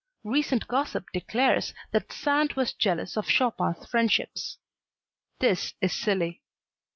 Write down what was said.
Recent gossip declares that Sand was jealous of Chopin's friendships this is silly.